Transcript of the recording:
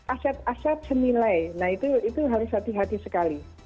aset aset semilai nah itu harus hati hati sekali